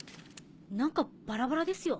何かバラバラですよ。